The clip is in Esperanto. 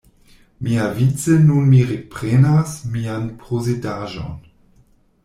Miavice nun mi reprenas mian posedaĵon.